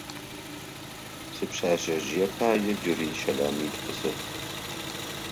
Сипшъэшъэжъые пае джыри щэлэмитӏу къысэт.